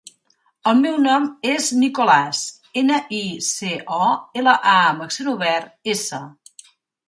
El meu nom és Nicolàs: ena, i, ce, o, ela, a amb accent obert, essa.